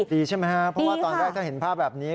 ดีใช่ไหมครับเพราะว่าตอนแรกถ้าเห็นภาพแบบนี้